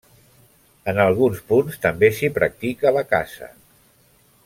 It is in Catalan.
En alguns punts també s'hi practica la caça.